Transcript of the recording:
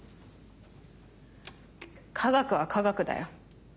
科学は科学だよ。